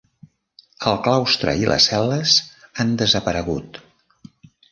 El claustre i les cel·les han desaparegut.